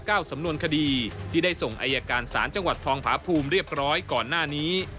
สำนวนคดีที่ได้ส่งอายการศาลจังหวัดทองผาภูมิเรียบร้อยก่อนหน้านี้